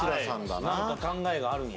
なんか考えがあるんやな。